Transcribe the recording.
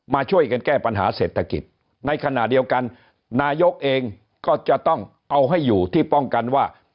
มาช่วยกันแก้ปัญหาเศรษฐกิจในขณะเดียวกันนายกเองก็จะต้องเอาให้อยู่ที่ป้องกันว่า